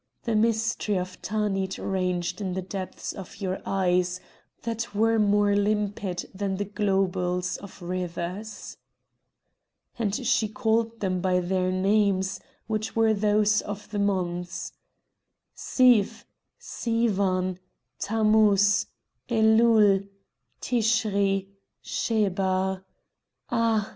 The mystery of Tanith ranged in the depths of your eyes that were more limpid than the globules of rivers." And she called them by their names, which were those of the months—"Siv! Sivan! Tammouz, Eloul, Tischri, Schebar! Ah!